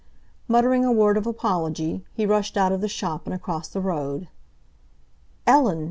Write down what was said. Muttering a word of apology, he rushed out of the shop and across the road. "Ellen!"